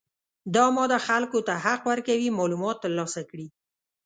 دا ماده خلکو ته حق ورکوي معلومات ترلاسه کړي.